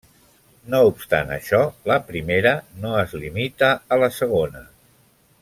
No obstant això, la primera no es limita a la segona.